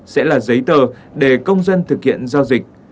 sẽ là giấy tờ để công dân thực hiện giao dịch